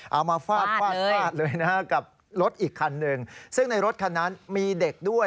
เอามาฟาดฟาดฟาดเลยนะฮะกับรถอีกคันหนึ่งซึ่งในรถคันนั้นมีเด็กด้วย